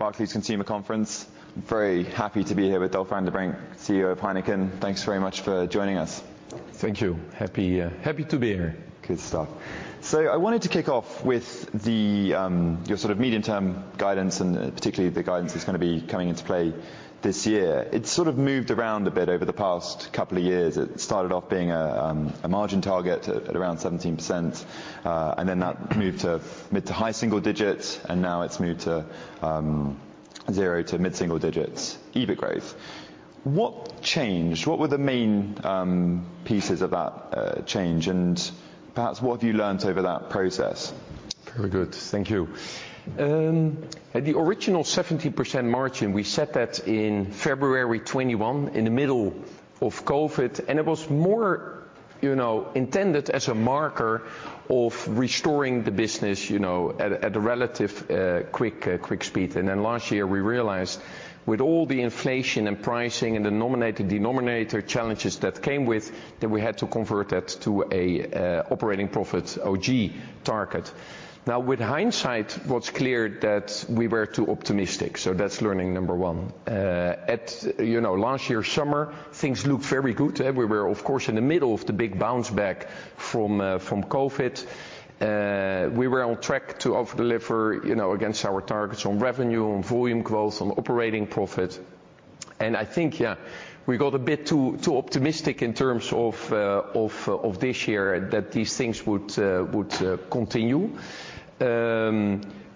Barclays Consumer Conference. Very happy to be here with Dolf van den Brink, CEO of Heineken. Thanks very much for joining us. Thank you. Happy to be here. Good stuff. So I wanted to kick off with the your sort of medium-term guidance, and particularly the guidance that's gonna be coming into play this year. It sort of moved around a bit over the past couple of years. It started off being a margin target at around 17%, and then that moved to mid- to high-single digits, and now it's moved to zero to mid-single digits, EBIT growth. What changed? What were the main pieces of that change, and perhaps what have you learned over that process? Very good, thank you. At the original 17% margin, we set that in February 2021, in the middle of COVID, and it was more, you know, intended as a marker of restoring the business, you know, at a relative quick speed. Then last year, we realized with all the inflation and pricing and the numerator denominator challenges that came with, that we had to convert that to a operating profit OG target. Now, with hindsight, what's clear that we were too optimistic, so that's learning number one. You know, last year, summer, things looked very good. We were, of course, in the middle of the big bounce back from from COVID. We were on track to over-deliver, you know, against our targets on revenue, on volume growth, on operating profit. I think, yeah, we got a bit too optimistic in terms of this year, that these things would continue.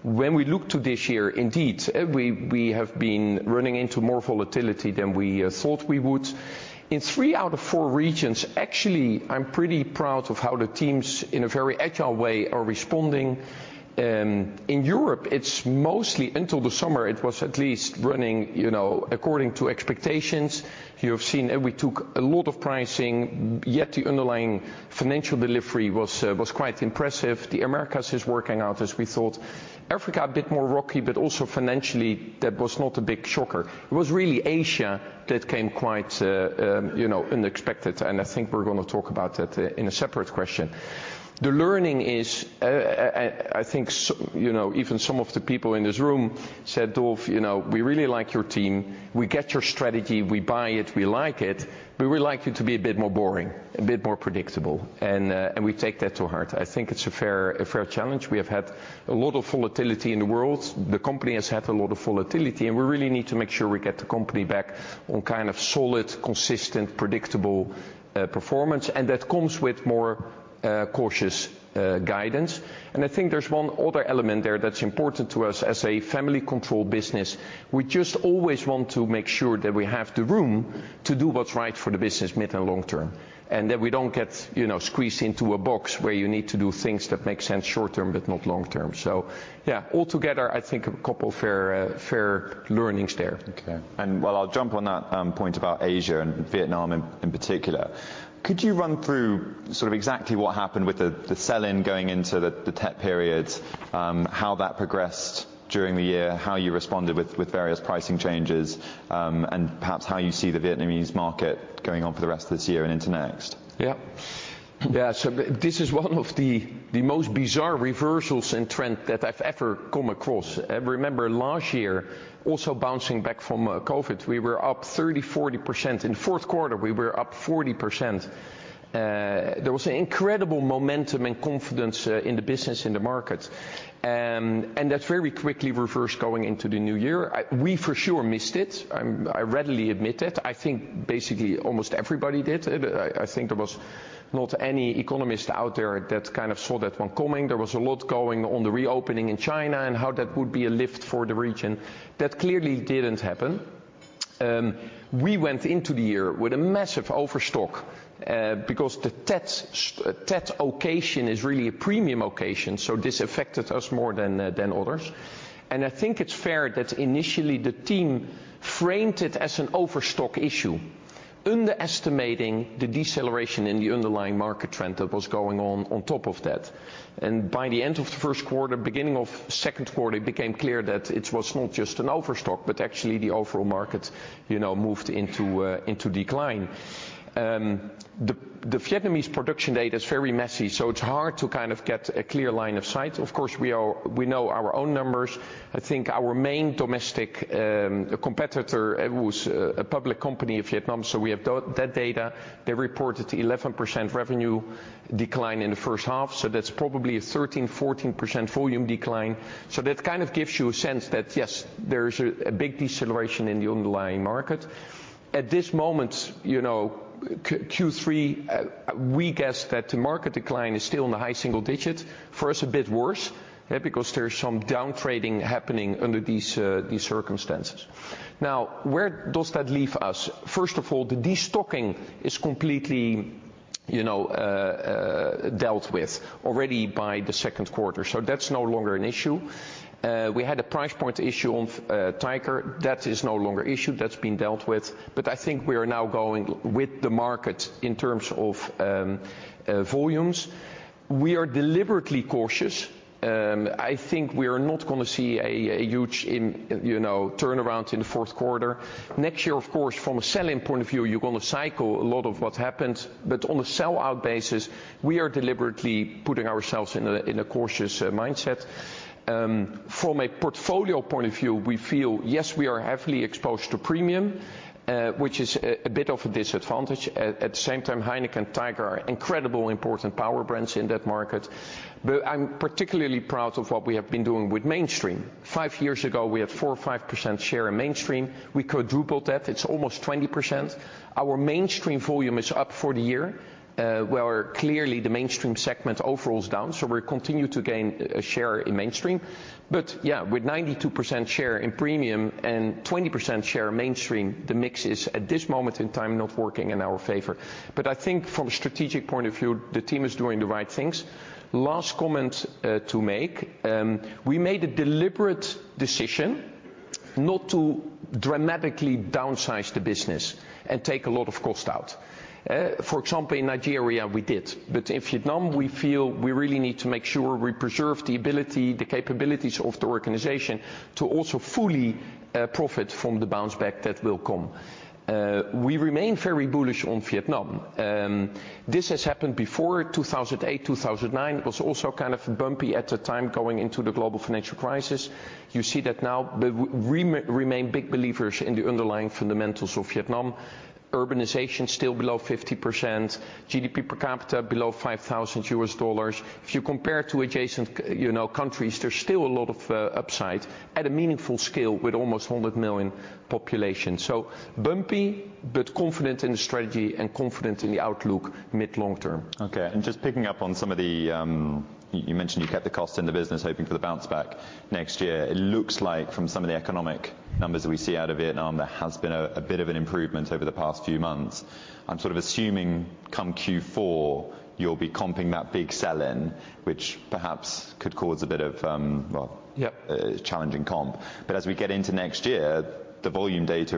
When we look to this year, indeed, we have been running into more volatility than we thought we would. In three out of four regions, actually, I'm pretty proud of how the teams, in a very agile way, are responding. In Europe, it's mostly, until the summer, it was at least running, you know, according to expectations. You have seen that we took a lot of pricing, yet the underlying financial delivery was quite impressive. The Americas is working out as we thought. Africa, a bit more rocky, but also financially, that was not a big shocker. It was really Asia that came quite, you know, unexpected, and I think we're gonna talk about that, in a separate question. The learning is, I think you know, even some of the people in this room said, "Dolf, you know, we really like your team. We get your strategy. We buy it, we like it, but we would like you to be a bit more boring, a bit more predictable." We take that to heart. I think it's a fair challenge. We have had a lot of volatility in the world. The company has had a lot of volatility, and we really need to make sure we get the company back on kind of solid, consistent, predictable, performance, and that comes with more cautious guidance. I think there's one other element there that's important to us as a family-controlled business. We just always want to make sure that we have the room to do what's right for the business, mid and long term, and that we don't get, you know, squeezed into a box where you need to do things that make sense short term, but not long term. So yeah, altogether, I think a couple fair, fair learnings there. Okay, and well, I'll jump on that point about Asia and Vietnam in particular. Could you run through sort of exactly what happened with the sell-in going into the Tết periods, how that progressed during the year, how you responded with various pricing changes, and perhaps how you see the Vietnamese market going on for the rest of this year and into next? Yeah. Yeah, so this is one of the, the most bizarre reversals and trend that I've ever come across. I remember last year, also bouncing back from COVID, we were up 30%-40%. In fourth quarter, we were up 40%. There was an incredible momentum and confidence in the business, in the market. And that very quickly reversed going into the new year. We, for sure, missed it. I readily admit it. I think basically almost everybody did. I think there was not any economist out there that kind of saw that one coming. There was a lot going on the reopening in China and how that would be a lift for the region. That clearly didn't happen. We went into the year with a massive overstock, because the Tết occasion is really a premium occasion, so this affected us more than others. And I think it's fair that initially the team framed it as an overstock issue, underestimating the deceleration in the underlying market trend that was going on on top of that. And by the end of the first quarter, beginning of second quarter, it became clear that it was not just an overstock, but actually the overall market, you know, moved into decline. The Vietnamese production data is very messy, so it's hard to kind of get a clear line of sight. Of course, we are... We know our own numbers. I think our main domestic competitor, it was a public company of Vietnam, so we have that data. They reported 11% revenue decline in the first half, so that's probably a 13%-14% volume decline. So that kind of gives you a sense that, yes, there's a big deceleration in the underlying market. At this moment, you know, Q3, we guess that the market decline is still in the high single digits. For us, a bit worse, because there's some downtrading happening under these circumstances. Now, where does that leave us? First of all, the destocking is completely, you know, dealt with already by the second quarter, so that's no longer an issue. We had a price point issue on Tiger. That is no longer an issue. That's been dealt with, but I think we are now going with the market in terms of volumes. We are deliberately cautious. I think we are not gonna see a huge, you know, turnaround in the fourth quarter. Next year, of course, from a selling point of view, you're gonna cycle a lot of what happened, but on a sell-out basis, we are deliberately putting ourselves in a cautious mindset. From a portfolio point of view, we feel, yes, we are heavily exposed to premium, which is a bit of a disadvantage. At the same time, Heineken, Tiger, are incredible important power brands in that market. But I'm particularly proud of what we have been doing with mainstream. Five years ago, we had 4% or 5% share in mainstream. We quadrupled that, it's almost 20%. Our mainstream volume is up for the year, where clearly the mainstream segment overall is down, so we continue to gain share in mainstream. But yeah, with 92% share in premium and 20% share mainstream, the mix is, at this moment in time, not working in our favor. But I think from a strategic point of view, the team is doing the right things. Last comment to make, we made a deliberate decision not to dramatically downsize the business and take a lot of cost out. For example, in Nigeria, we did. But in Vietnam, we feel we really need to make sure we preserve the ability, the capabilities of the organization, to also fully profit from the bounce back that will come. We remain very bullish on Vietnam. This has happened before. 2008, 2009, was also kind of bumpy at the time, going into the global financial crisis. You see that now, but we remain big believers in the underlying fundamentals of Vietnam. Urbanization is still below 50%, GDP per capita below $5,000. If you compare to adjacent, you know, countries, there's still a lot of upside at a meaningful scale with almost 100 million population. So bumpy, but confident in the strategy and confident in the outlook mid, long term. Okay, and just picking up on some of the, you mentioned you kept the cost in the business, hoping for the bounce back next year. It looks like from some of the economic numbers that we see out of Vietnam, there has been a bit of an improvement over the past few months. I'm sort of assuming come Q4, you'll be comping that big sell-in, which perhaps could cause a bit of, well- Yeah. Challenging comp. But as we get into next year, the volume data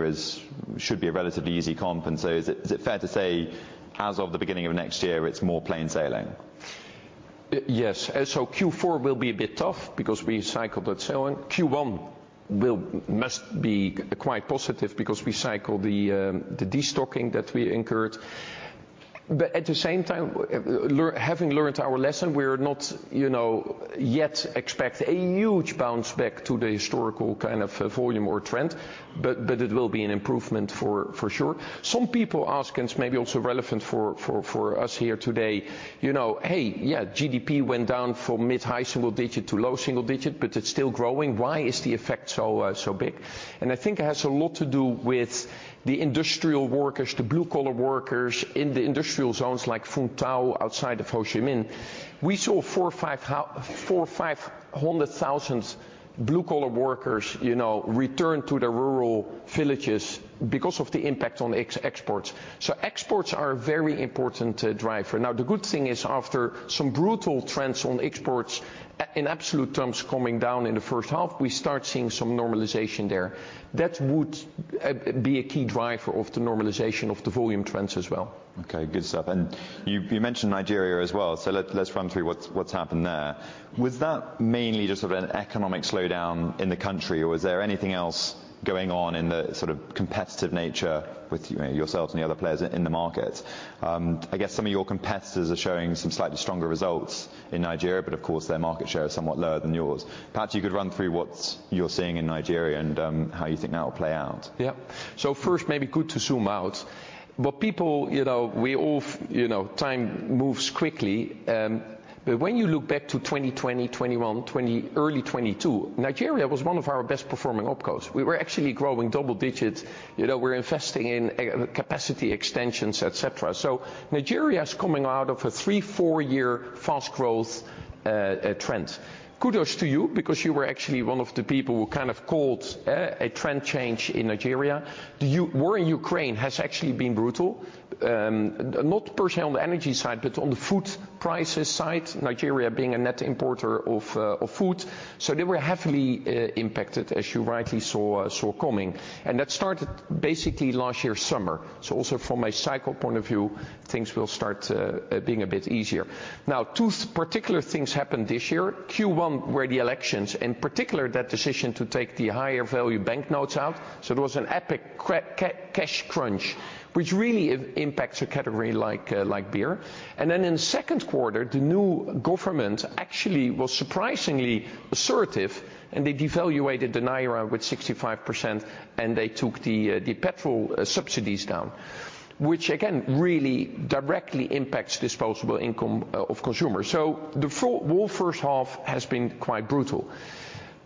should be a relatively easy comp. And so, is it fair to say, as of the beginning of next year, it's more plain sailing? Yes. So Q4 will be a bit tough because we cycled that sell-in. Q1 will mostly be quite positive because we cycle the the destocking that we incurred. But at the same time, having learned our lesson, we are not, you know, yet expect a huge bounce back to the historical kind of volume or trend, but, but it will be an improvement for, for sure. Some people ask, and it's maybe also relevant for, for, for us here today, you know, "Hey, yeah, GDP went down from mid-high single digit to low single digit, but it's still growing. Why is the effect so so big?" And I think it has a lot to do with the industrial workers, the blue-collar workers in the industrial zones like Mỹ Tho, outside of Ho Chi Minh. We saw 400,000-500,000 blue-collar workers, you know, return to the rural villages because of the impact on exports. So exports are a very important driver. Now, the good thing is, after some brutal trends on exports, in absolute terms, coming down in the first half, we start seeing some normalization there. That would be a key driver of the normalization of the volume trends as well. Okay, good stuff. And you mentioned Nigeria as well, so let's run through what's happened there. Was that mainly just sort of an economic slowdown in the country, or was there anything else going on in the sort of competitive nature with, you know, yourselves and the other players in the market? I guess some of your competitors are showing some slightly stronger results in Nigeria, but of course, their market share is somewhat lower than yours. Perhaps you could run through what you're seeing in Nigeria and how you think that will play out. Yeah. So first, maybe good to zoom out. But people, you know, we all f- you know, time moves quickly. But when you look back to 2020, 2021, 2020, early 2022, Nigeria was one of our best performing OpCos. We were actually growing double digits. You know, we're investing in capacity extensions, et cetera. So Nigeria is coming out of a three to four-year fast growth trend. Kudos to you, because you were actually one of the people who kind of called a trend change in Nigeria. The war in Ukraine has actually been brutal, not personally on the energy side, but on the food prices side, Nigeria being a net importer of food. So they were heavily impacted, as you rightly saw coming. And that started basically last year, summer. So also from a cycle point of view, things will start being a bit easier. Now, two particular things happened this year. Q1 were the elections, in particular, that decision to take the higher value banknotes out. So there was an epic cash crunch, which really impacts a category like, like beer. And then in the second quarter, the new government actually was surprisingly assertive, and they devalued the naira with 65%, and they took the petrol subsidies down. Which again, really directly impacts disposable income of consumers. So the whole first half has been quite brutal.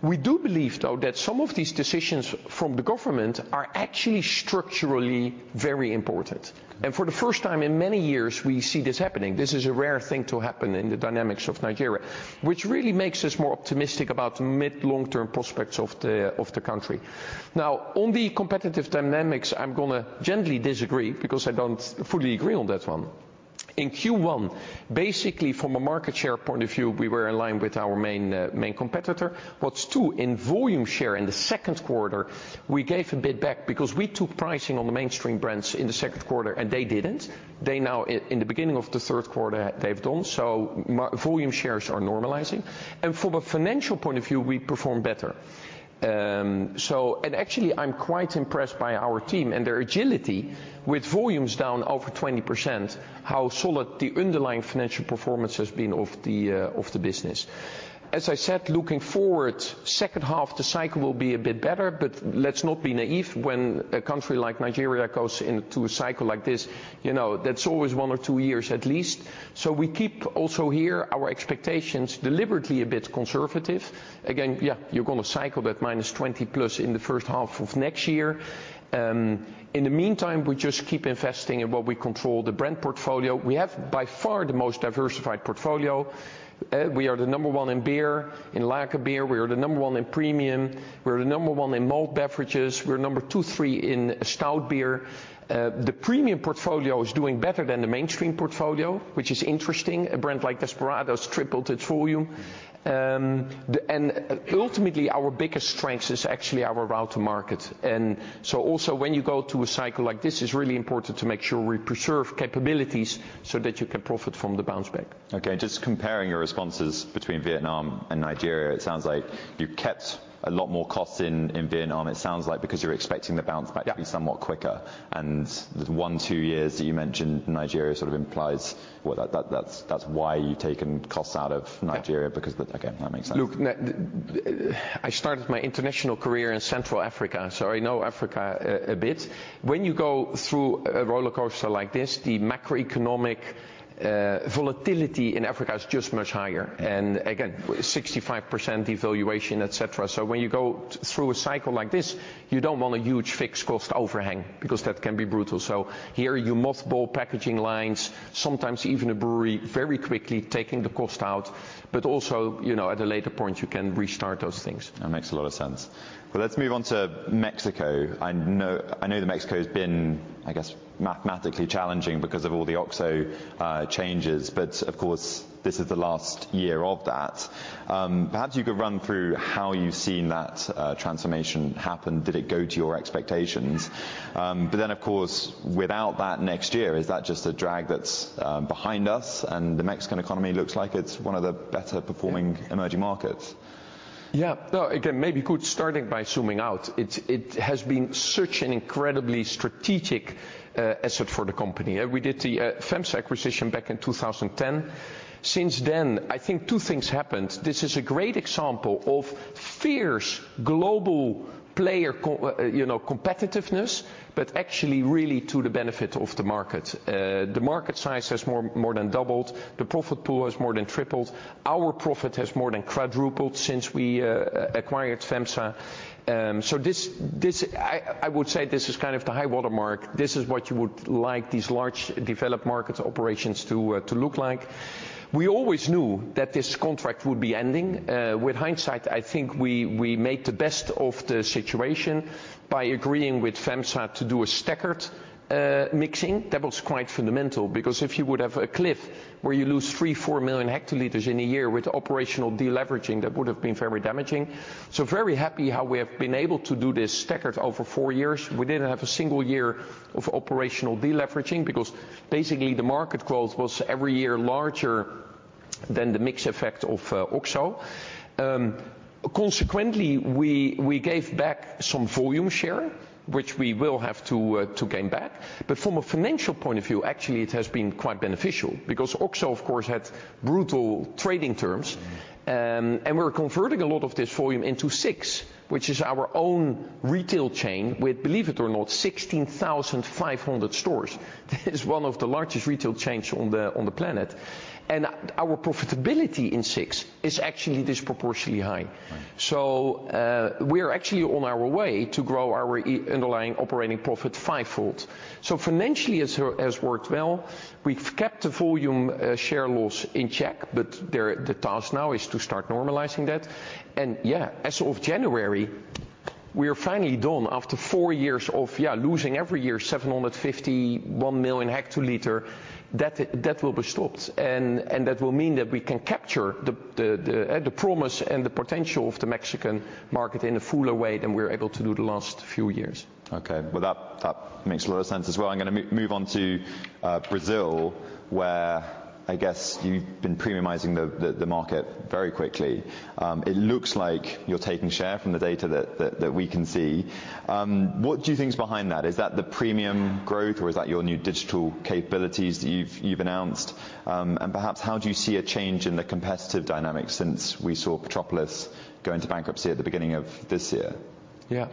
We do believe, though, that some of these decisions from the government are actually structurally very important. And for the first time in many years, we see this happening. This is a rare thing to happen in the dynamics of Nigeria, which really makes us more optimistic about the mid, long-term prospects of the, of the country. Now, on the competitive dynamics, I'm gonna gently disagree, because I don't fully agree on that one. In Q1, basically, from a market share point of view, we were in line with our main, main competitor. What's two, in volume share in the second quarter, we gave a bit back because we took pricing on the mainstream brands in the second quarter, and they didn't. They now, in the beginning of the third quarter, they've done, so volume shares are normalizing. And from a financial point of view, we perform better. Actually, I'm quite impressed by our team and their agility with volumes down over 20%, how solid the underlying financial performance has been of the business. As I said, looking forward, second half, the cycle will be a bit better, but let's not be naive. When a country like Nigeria goes into a cycle like this, you know, that's always one or two years at least. So we keep also, here, our expectations deliberately a bit conservative. Again, yeah, you're gonna cycle that minus 20+ in the first half of next year. In the meantime, we just keep investing in what we control, the brand portfolio. We have, by far, the most diversified portfolio. We are the number one in beer. In lager beer, we are the number one in premium. We're the number one in malt beverages. We're number two, three in stout beer. The premium portfolio is doing better than the mainstream portfolio, which is interesting. A brand like Desperados tripled its volume. And ultimately, our biggest strength is actually our route to market, and so also when you go to a cycle like this, it's really important to make sure we preserve capabilities so that you can profit from the bounce back. Okay, just comparing your responses between Vietnam and Nigeria, it sounds like you've kept a lot more costs in Vietnam. It sounds like because you're expecting the bounce back- Yeah... to be somewhat quicker. And the one, two years that you mentioned, Nigeria sort of implies, well, that's why you've taken costs out of Nigeria- Yeah. Because, again, that makes sense. Look, now, I started my international career in Central Africa, so I know Africa a bit. When you go through a rollercoaster like this, the macroeconomic volatility in Africa is just much higher and, again, 65% devaluation, et cetera. So when you go through a cycle like this, you don't want a huge fixed cost overhang, because that can be brutal. So here, you mothball packaging lines, sometimes even a brewery, very quickly taking the cost out. But also, you know, at a later point, you can restart those things. That makes a lot of sense. Well, let's move on to Mexico. I know, I know that Mexico's been, I guess, mathematically challenging because of all the OXXO changes, but of course, this is the last year of that. Perhaps you could run through how you've seen that transformation happen. Did it go to your expectations? But then, of course, without that next year, is that just a drag that's behind us, and the Mexican economy looks like it's one of the better performing- Yeah... emerging markets? Yeah. No, again, maybe good starting by zooming out. It's, it has been such an incredibly strategic asset for the company. We did the FEMSA acquisition back in 2010. Since then, I think two things happened. This is a great example of fierce global player co- you know, competitiveness, but actually really to the benefit of the market. The market size has more than doubled. The profit pool has more than tripled. Our profit has more than quadrupled since we acquired FEMSA. So this is kind of the high water mark. This is what you would like these large developed markets operations to to look like. We always knew that this contract would be ending. With hindsight, I think we, we made the best of the situation by agreeing with FEMSA to do a staggered mixing. That was quite fundamental, because if you would have a cliff where you lose three to four million hectoliters in a year with operational deleveraging, that would have been very damaging. So very happy how we have been able to do this staggered over four years. We didn't have a single year of operational deleveraging, because basically, the market growth was every year larger than the mix effect of OXXO. Consequently, we, we gave back some volume share, which we will have to to gain back. But from a financial point of view, actually, it has been quite beneficial, because OXXO, of course, had brutal trading terms. We're converting a lot of this volume into Six, which is our own retail chain, with, believe it or not, 16,500 stores. That is one of the largest retail chains on the planet. Our profitability in Six is actually disproportionately high. Right. So, we are actually on our way to grow our underlying operating profit fivefold. So financially, it has worked well. We've kept the volume share loss in check, but the task now is to start normalizing that. And yeah, as of January, we are finally done, after four years of, yeah, losing every year, 750 million hectoliters, that will be stopped. And that will mean that we can capture the promise and the potential of the Mexican market in a fuller way than we were able to do the last few years. Okay. Well, that makes a lot of sense as well. I'm gonna move on to Brazil, where I guess you've been premiumizing the market very quickly. It looks like you're taking share from the data that we can see. What do you think is behind that? Is that the premium growth, or is that your new digital capabilities that you've announced? And perhaps, how do you see a change in the competitive dynamics since we saw Petrópolis go into bankruptcy at the beginning of this year? Yeah.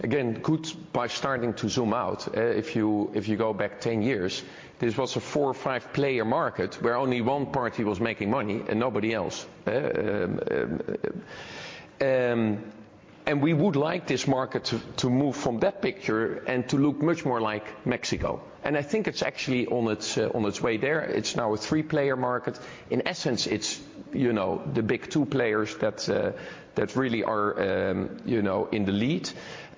Again, good idea by starting to zoom out. If you, if you go back 10 years, this was a four to five player market where only one party was making money and nobody else. And we would like this market to, to move from that picture and to look much more like Mexico, and I think it's actually on its, on its way there. It's now a three-player market. In essence, it's, you know, the big two players that, that really are, you know, in the lead.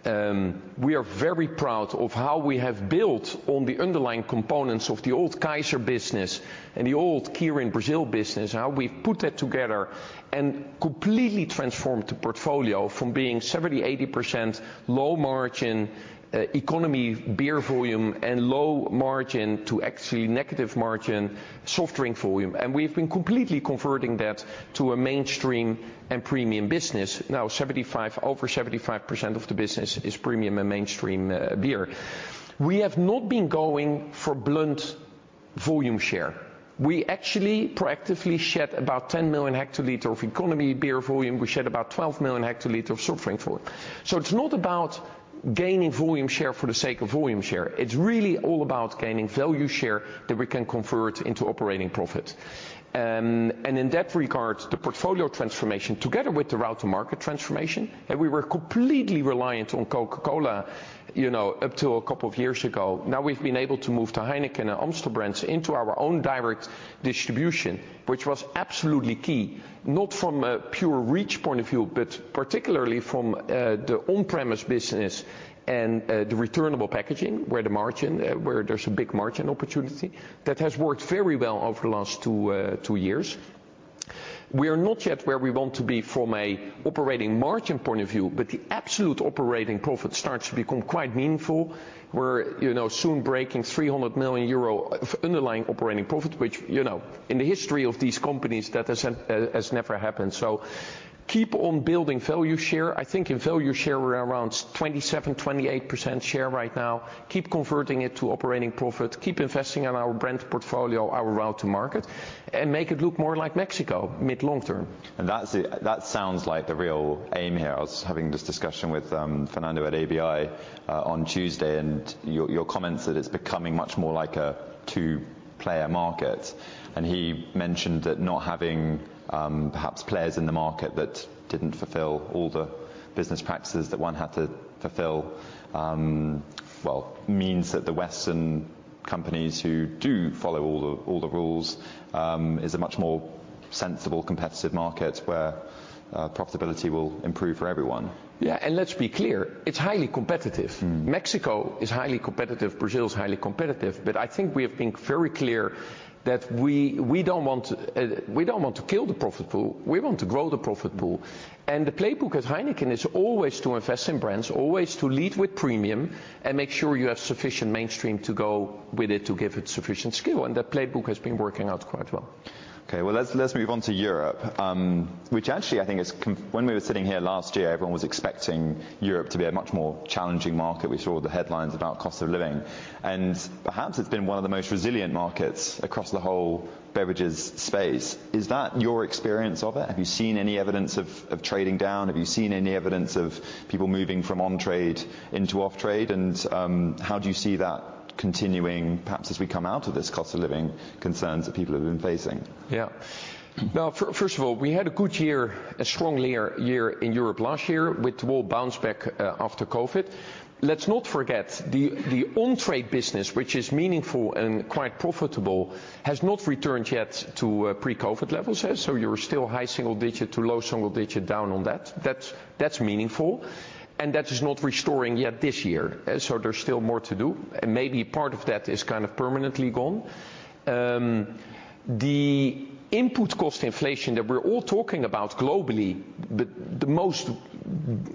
We are very proud of how we have built on the underlying components of the old Kaiser business and the old Kirin Brazil business, how we've put that together and completely transformed the portfolio from being 70%-80% low margin, economy, beer volume, and low margin to actually negative margin, soft drink volume. We've been completely converting that to a mainstream and premium business. Now, 75%, over 75% of the business is premium and mainstream beer. We have not been going for blunt volume share. We actually proactively shed about 10 million hectoliter of economy beer volume. We shed about 12 million hectoliter of soft drink for it. So it's not about gaining volume share for the sake of volume share. It's really all about gaining value share that we can convert into operating profit. And in that regard, the portfolio transformation, together with the route to market transformation, and we were completely reliant on Coca-Cola, you know, up to a couple of years ago. Now, we've been able to move the Heineken and Amstel brands into our own direct distribution, which was absolutely key, not from a pure reach point of view, but particularly from the on-premise business and the returnable packaging, where the margin where there's a big margin opportunity, that has worked very well over the last two years. We are not yet where we want to be from an operating margin point of view, but the absolute operating profit starts to become quite meaningful. We're, you know, soon breaking 300 million euro of underlying operating profit, which, you know, in the history of these companies, that has never happened. So keep on building value share. I think in value share, we're around 27%-28% share right now. Keep converting it to operating profit. Keep investing in our brand portfolio, our route to market, and make it look more like Mexico mid, long term. And that's it... That sounds like the real aim here. I was having this discussion with, Fernando at ABI, on Tuesday, and your, your comments that it's becoming much more like a two-player market. And he mentioned that not having, perhaps players in the market that didn't fulfill all the business practices that one had to fulfill, well, means that the Western companies who do follow all the, all the rules, is a much more sensible, competitive market where, profitability will improve for everyone. Yeah, let's be clear, it's highly competitive. Mm. Mexico is highly competitive. Brazil is highly competitive. But I think we have been very clear that we, we don't want, we don't want to kill the profit pool, we want to grow the profit pool. The playbook at Heineken is always to invest in brands, always to lead with premium, and make sure you have sufficient mainstream to go with it to give it sufficient scale. That playbook has been working out quite well. Okay, well, let's move on to Europe, which actually, I think is – when we were sitting here last year, everyone was expecting Europe to be a much more challenging market. We saw the headlines about cost of living, and perhaps it's been one of the most resilient markets across the whole beverages space. Is that your experience of it? Have you seen any evidence of trading down? Have you seen any evidence of people moving from on-trade into off-trade? And how do you see that continuing, perhaps, as we come out of this cost of living concerns that people have been facing? Yeah. Now, first of all, we had a good year, a strong year, year in Europe last year, with the whole bounce back after COVID. Let's not forget, the, the on-trade business, which is meaningful and quite profitable, has not returned yet to pre-COVID levels, eh, so you're still high single digit to low single digit down on that. That's, that's meaningful, and that is not restoring yet this year, so there's still more to do, and maybe part of that is kind of permanently gone. The input cost inflation that we're all talking about globally, the, the most,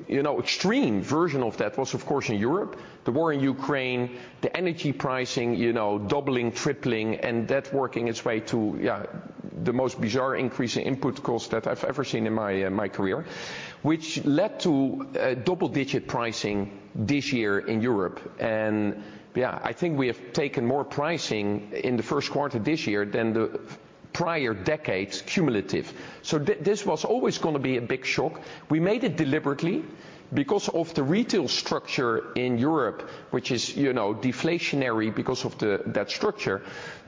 you know, extreme version of that was, of course, in Europe. The war in Ukraine, the energy pricing, you know, doubling, tripling, and that working its way to, yeah, the most bizarre increase in input costs that I've ever seen in my, my career, which led to, double-digit pricing this year in Europe. And, yeah, I think we have taken more pricing in the first quarter this year than the prior decades, cumulative. So this was always gonna be a big shock. We made it deliberately because of the retail structure in Europe, which is, you know, deflationary because of the, that structure.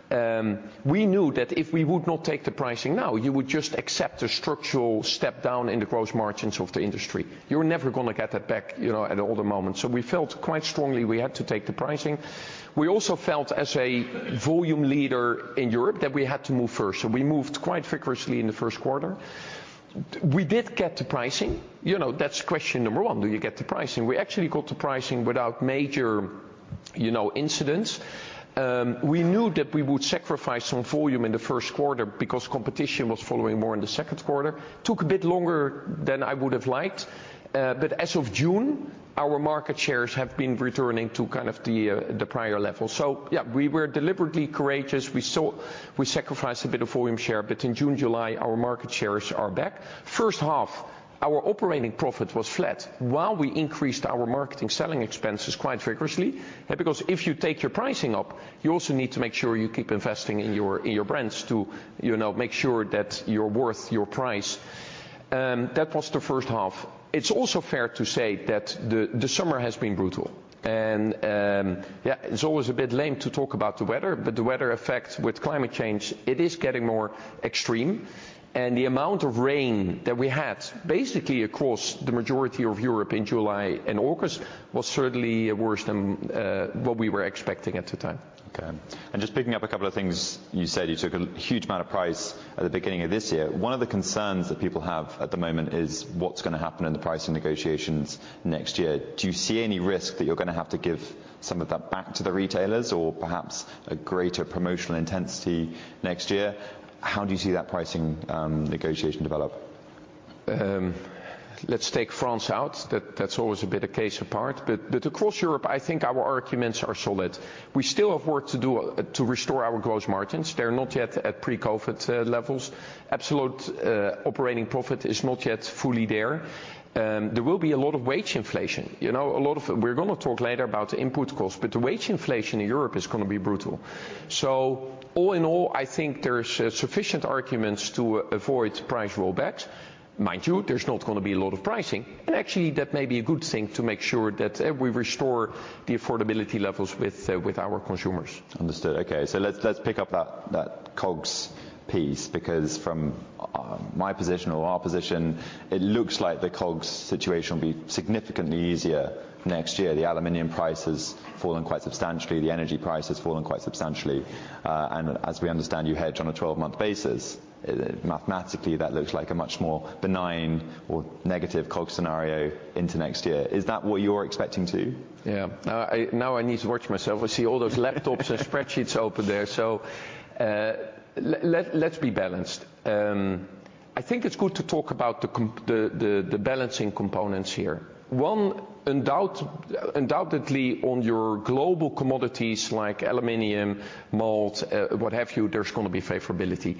We knew that if we would not take the pricing now, you would just accept a structural step down in the gross margins of the industry. You're never gonna get that back, you know, at all the moments. So we felt quite strongly we had to take the pricing. We also felt, as a volume leader in Europe, that we had to move first, so we moved quite vigorously in the first quarter. We did get the pricing. You know, that's question number one: Do you get the pricing? We actually got the pricing without major, you know, incidents. We knew that we would sacrifice some volume in the first quarter because competition was following more in the second quarter. Took a bit longer than I would have liked, but as of June, our market shares have been returning to kind of the prior level. So yeah, we were deliberately courageous. We saw... We sacrificed a bit of volume share, but in June, July, our market shares are back. First half, our operating profit was flat while we increased our marketing selling expenses quite vigorously. And because if you take your pricing up, you also need to make sure you keep investing in your, in your brands to, you know, make sure that you're worth your price. That was the first half. It's also fair to say that the summer has been brutal, and, yeah, it's always a bit lame to talk about the weather, but the weather effect with climate change, it is getting more extreme. And the amount of rain that we had, basically across the majority of Europe in July and August, was certainly worse than what we were expecting at the time. Okay. Just picking up a couple of things. You said you took a huge amount of price at the beginning of this year. One of the concerns that people have at the moment is what's gonna happen in the pricing negotiations next year. Do you see any risk that you're gonna have to give some of that back to the retailers, or perhaps a greater promotional intensity next year? How do you see that pricing negotiation develop? Let's take France out. That's always a bit a case apart. But across Europe, I think our arguments are solid. We still have work to do to restore our gross margins. They're not yet at pre-COVID levels. Absolute operating profit is not yet fully there. There will be a lot of wage inflation. You know, a lot of—we're gonna talk later about the input costs, but the wage inflation in Europe is gonna be brutal. So all in all, I think there is sufficient arguments to avoid price rollbacks. Mind you, there's not gonna be a lot of pricing, and actually that may be a good thing to make sure that we restore the affordability levels with our consumers. Understood. Okay, so let's pick up that COGS piece, because from my position or our position, it looks like the COGS situation will be significantly easier next year. The aluminum price has fallen quite substantially, the energy price has fallen quite substantially, and as we understand, you hedge on a 12-month basis. Mathematically, that looks like a much more benign or negative COGS scenario into next year. Is that what you're expecting, too? Yeah. Now I need to watch myself. I see all those laptops and spreadsheets open there. So, let's be balanced. I think it's good to talk about the balancing components here. One, undoubtedly, on your global commodities like aluminum, malt, what have you, there's gonna be favorability.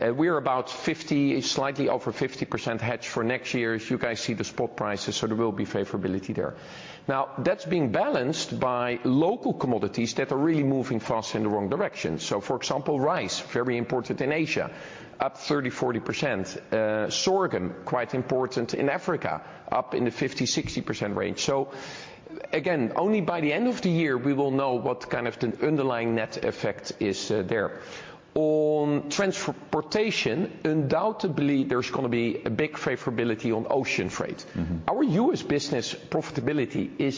Mm. We're about 50%, slightly over 50% hedged for next year. You guys see the spot prices, so there will be favorability there. Now, that's being balanced by local commodities that are really moving fast in the wrong direction. So, for example, rice, very important in Asia, up 30%-40%. Sorghum, quite important in Africa, up in the 50%-60% range. So again, only by the end of the year we will know what kind of the underlying net effect is, there. On transportation, undoubtedly there's gonna be a big favorability on ocean freight. Mm-hmm. Our U.S. business profitability is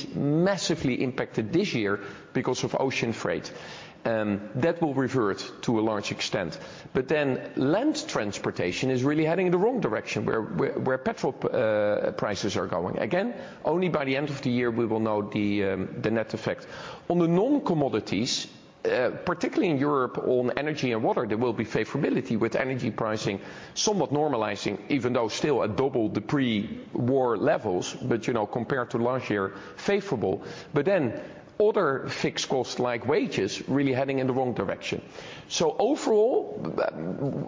massively impacted this year because of ocean freight. That will revert to a large extent. But then land transportation is really heading in the wrong direction, where petrol prices are going. Again, only by the end of the year we will know the net effect. On the non-commodities, particularly in Europe, on energy and water, there will be favorability, with energy pricing somewhat normalizing, even though still at double the pre-war levels, but, you know, compared to last year, favorable. But then other fixed costs, like wages, really heading in the wrong direction. So overall,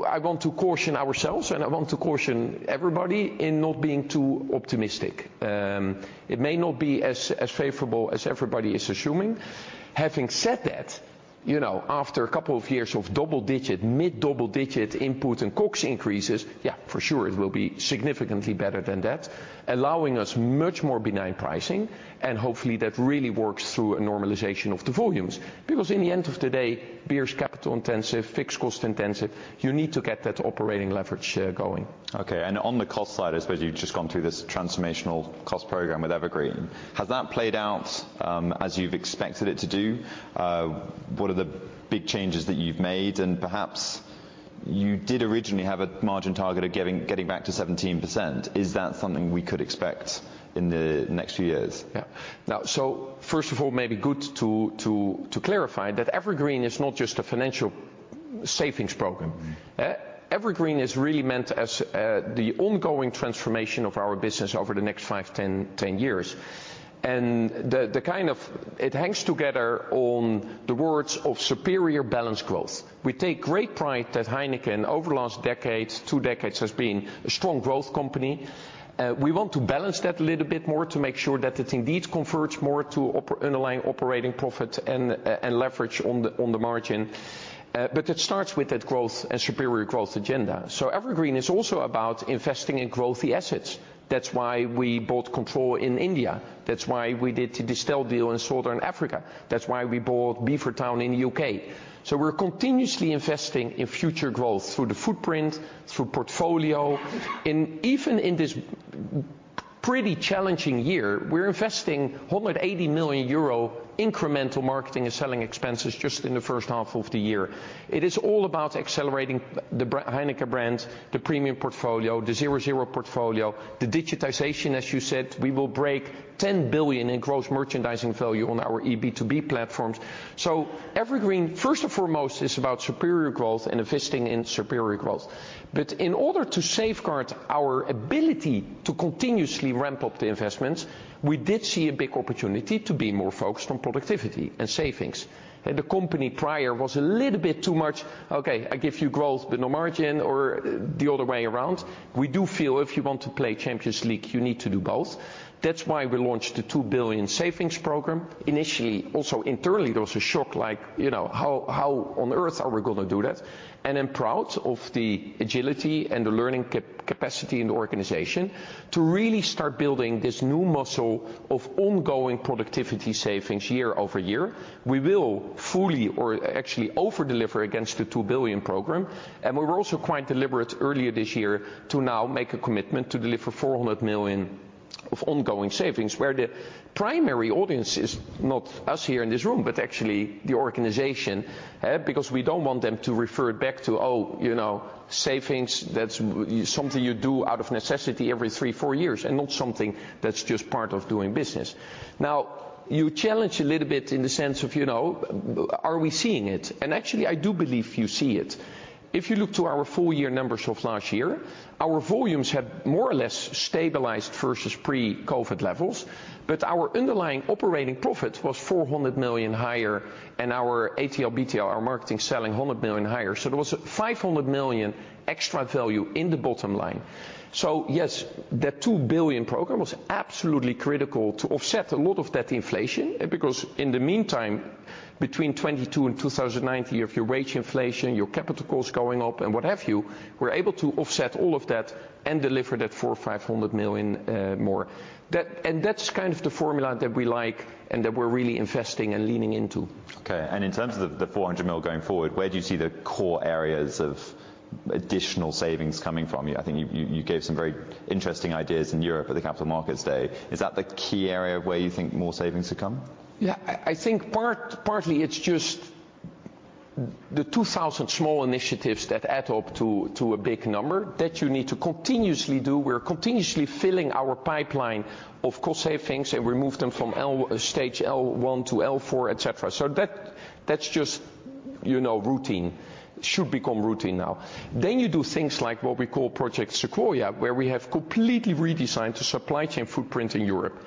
I want to caution ourselves, and I want to caution everybody in not being too optimistic. It may not be as favorable as everybody is assuming. Having said that, you know, after a couple of years of double-digit, mid-double-digit input and COGS increases, yeah, for sure it will be significantly better than that, allowing us much more benign pricing, and hopefully that really works through a normalization of the volumes. Because in the end of the day, beer is capital intensive, fixed cost intensive, you need to get that operating leverage going. Okay, and on the cost side, I suppose you've just gone through this transformational cost program with EverGreen. Has that played out, as you've expected it to do? What are the big changes that you've made? And perhaps you did originally have a margin target of getting back to 17%. Is that something we could expect in the next few years? Yeah. Now, so first of all, maybe good to clarify that EverGreen is not just a financial savings program. Mm. EverGreen is really meant as, the ongoing transformation of our business over the next five, 10, 10 years. It hangs together on the words of superior balanced growth. We take great pride that Heineken, over the last decade, two decades, has been a strong growth company. We want to balance that a little bit more to make sure that it indeed converts more to underlying operating profit and, and leverage on the margin. But it starts with that growth and superior growth agenda. So EverGreen is also about investing in growthy assets. That's why we bought control in India. That's why we did the Distell deal in Southern Africa. That's why we bought Beavertown in the U.K. So we're continuously investing in future growth through the footprint, through portfolio. Even in this pretty challenging year, we're investing 180 million euro incremental marketing and selling expenses just in the first half of the year. It is all about accelerating the Heineken brand, the premium portfolio, the 0.0 portfolio, the digitization, as you said, we will break 10 billion in gross merchandising value on our B2B platforms. EverGreen, first and foremost, is about superior growth and investing in superior growth. But in order to safeguard our ability to continuously ramp up the investments, we did see a big opportunity to be more focused on productivity and savings. The company prior was a little bit too much, "Okay, I give you growth, but no margin," or the other way around. We do feel if you want to play Champions League, you need to do both. That's why we launched the 2 billion savings program. Initially, also internally, there was a shock, like, you know, "How, how on earth are we gonna do that?" And I'm proud of the agility and the learning capacity in the organization to really start building this new muscle of ongoing productivity savings year over year. We will fully or actually over-deliver against the 2 billion program, and we were also quite deliberate earlier this year to now make a commitment to deliver 400 million of ongoing savings, where the primary audience is not us here in this room, but actually the organization, because we don't want them to refer back to, oh, you know, savings, that's something you do out of necessity every three, four years, and not something that's just part of doing business. Now, you challenge a little bit in the sense of, you know, are we seeing it? Actually I do believe you see it. If you look to our full year numbers of last year, our volumes have more or less stabilized versus pre-COVID levels, but our underlying operating profit was 400 million higher, and our ATL, BTL, our marketing selling 100 million higher. So there was 500 million extra value in the bottom line. So yes, the 2 billion program was absolutely critical to offset a lot of that inflation, because in the meantime, between 2022 and 2019, you have your wage inflation, your capital costs going up and what have you, we're able to offset all of that and deliver that 400 million-500 million more. And that's kind of the formula that we like, and that we're really investing and leaning into. Okay. In terms of the 400 million going forward, where do you see the core areas of additional savings coming from? I think you gave some very interesting ideas in Europe at the Capital Markets Day. Is that the key area where you think more savings to come? Yeah. I think partly it's just the 2,000 small initiatives that add up to a big number that you need to continuously do. We're continuously filling our pipeline of cost savings and we move them from L-stage L1 to L4, etc. So that's just, you know, routine. Should become routine now. Then you do things like what we call Project Sequoia, where we have completely redesigned the supply chain footprint in Europe,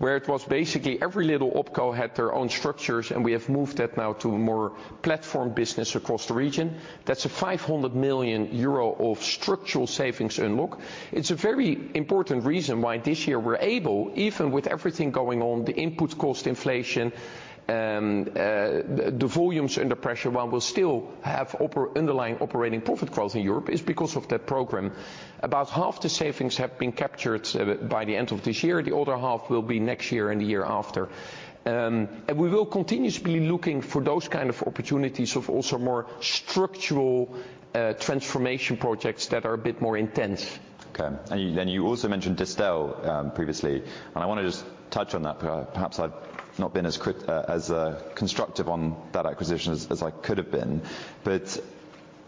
where it was basically every little OpCo had their own structures, and we have moved that now to a more platform business across the region. That's 500 million euro of structural savings unlock. It's a very important reason why this year we're able, even with everything going on, the input cost inflation, the volumes under pressure, one will still have underlying operating profit growth in Europe, is because of that program. About half the savings have been captured by the end of this year, the other half will be next year and the year after. And we will continuously be looking for those kind of opportunities of also more structural, transformation projects that are a bit more intense. Okay. And you, and you also mentioned Distell, previously, and I wanna just touch on that. Perhaps I've not been as quick as constructive on that acquisition as I could have been. But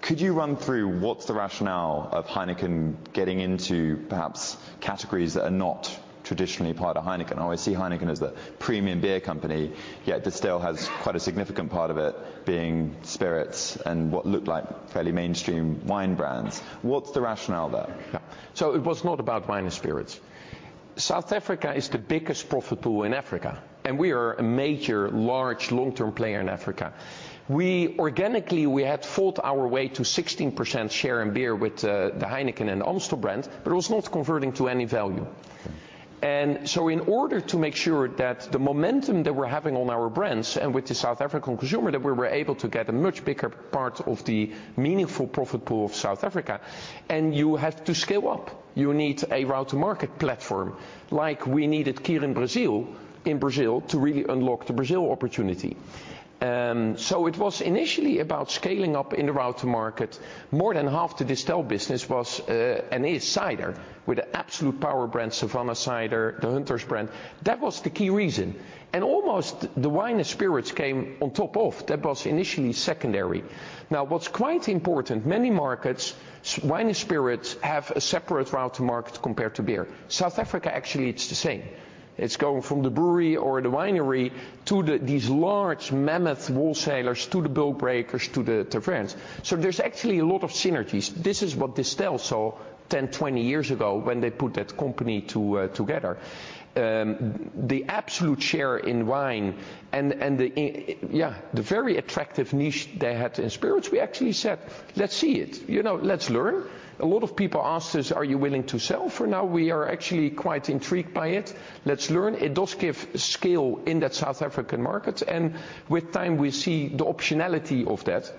could you run through what's the rationale of Heineken getting into perhaps categories that are not traditionally part of Heineken? I always see Heineken as the premium beer company, yet Distell has quite a significant part of it being spirits and what looked like fairly mainstream wine brands. What's the rationale there? Yeah. So it was not about wine and spirits. South Africa is the biggest profit pool in Africa, and we are a major, large, long-term player in Africa. We organically, we had fought our way to 16% share in beer with, the Heineken and Amstel brand, but it was not converting to any value. And so in order to make sure that the momentum that we're having on our brands and with the South African consumer, that we were able to get a much bigger part of the meaningful profit pool of South Africa, and you have to scale up. You need a route to market platform, like we needed Kirin Brazil in Brazil to really unlock the Brazil opportunity. So it was initially about scaling up in the route to market. More than half the Distell business was and is cider, with an absolute power brand, Savanna Cider, the Hunter's brand. That was the key reason, and almost the wine and spirits came on top of that; that was initially secondary. Now, what's quite important, many markets, wine and spirits have a separate route to market compared to beer. South Africa, actually, it's the same. It's going from the brewery or the winery to these large mammoth wholesalers, to the bulk breakers, to the fridges. So there's actually a lot of synergies. This is what Distell saw 10, 20 years ago when they put that company together. The absolute share in wine and the very attractive niche they had in spirits, we actually said, "Let's see it, you know, let's learn." A lot of people asked us: Are you willing to sell? For now, we are actually quite intrigued by it. Let's learn. It does give scale in that South African market, and with time, we see the optionality of that.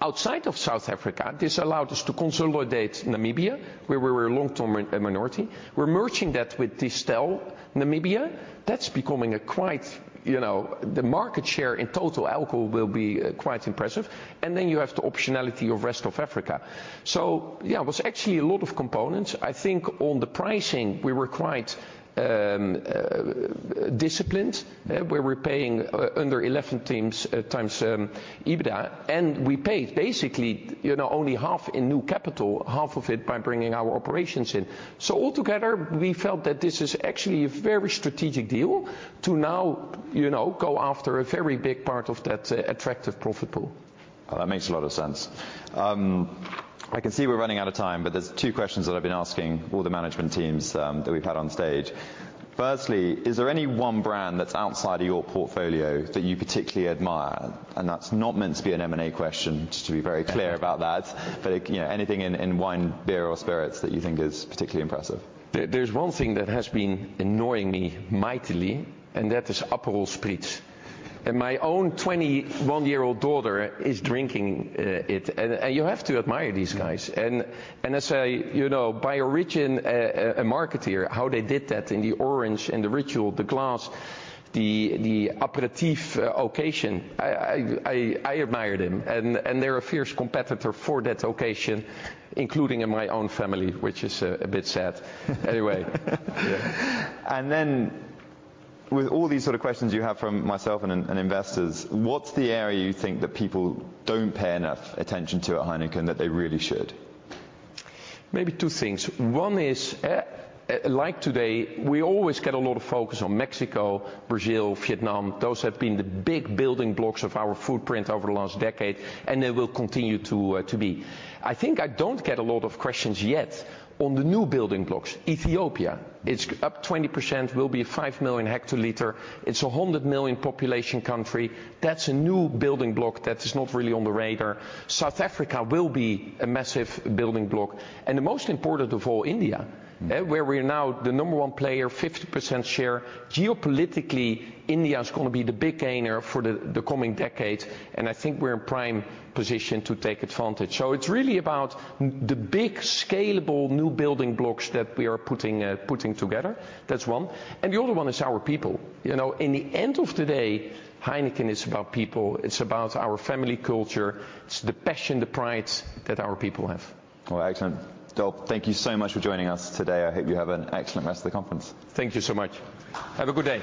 Outside of South Africa, this allowed us to consolidate Namibia, where we were a long-term minority. We're merging that with Distell Namibia. That's becoming quite, you know... The market share in total alcohol will be quite impressive. And then you have the optionality of rest of Africa. So yeah, it was actually a lot of components. I think on the pricing, we were quite disciplined, where we're paying under 11x EBITDA, and we paid basically, you know, only half in new capital, half of it by bringing our operations in. So altogether, we felt that this is actually a very strategic deal to now, you know, go after a very big part of that attractive profit pool. Well, that makes a lot of sense. I can see we're running out of time, but there's two questions that I've been asking all the management teams that we've had on stage. Firstly, is there any one brand that's outside of your portfolio that you particularly admire? And that's not meant to be an M&A question, just to be very clear about that. But, you know, anything in wine, beer, or spirits that you think is particularly impressive. There's one thing that has been annoying me mightily, and that is Aperol Spritz. My own 21-year-old daughter is drinking it, and you have to admire these guys. As a, you know, by origin, a marketer, how they did that in the orange and the ritual, the glass, the aperitif occasion, I admire them. They're a fierce competitor for that occasion, including in my own family, which is a bit sad. Anyway... And then, with all these sort of questions you have from myself and analysts and investors, what's the area you think that people don't pay enough attention to at Heineken that they really should? Maybe two things. One is, like today, we always get a lot of focus on Mexico, Brazil, Vietnam. Those have been the big building blocks of our footprint over the last decade, and they will continue to be. I think I don't get a lot of questions yet on the new building blocks. Ethiopia, it's up 20%, will be five million hectoliters. It's a 100 million population country. That's a new building block that is not really on the radar. South Africa will be a massive building block. And the most important of all, India- Mm. Where we are now the number one player, 50% share. Geopolitically, India is gonna be the big gainer for the coming decades, and I think we're in prime position to take advantage. So it's really about the big, scalable, new building blocks that we are putting together. That's one, and the other one is our people. You know, in the end of the day, Heineken is about people. It's about our family culture. It's the passion, the pride that our people have. Well, excellent. Dolf, thank you so much for joining us today. I hope you have an excellent rest of the conference. Thank you so much. Have a good day.